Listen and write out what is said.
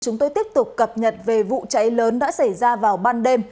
chúng tôi tiếp tục cập nhật về vụ cháy lớn đã xảy ra vào ban đêm